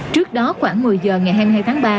trước đó khoảng một mươi giờ ngày hai mươi hai tháng ba